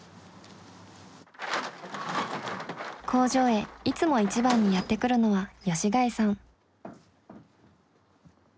工場へいつも一番にやって来るのは吉開さん。